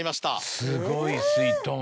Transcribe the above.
すごいすいとん。